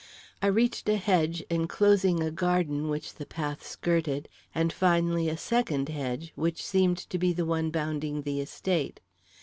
I reached a hedge enclosing a garden which the path skirted, and finally a second hedge, which seemed to be the one bounding the estate.